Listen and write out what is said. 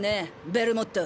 ベルモット！